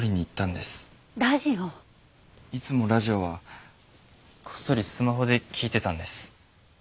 いつもラジオはこっそりスマホで聴いてたんです。